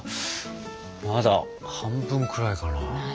まだ半分くらいかな？